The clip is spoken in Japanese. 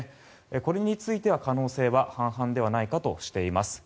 これについては可能性は半々ではないかとしています。